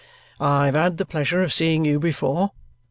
"I've had the pleasure of seeing you before.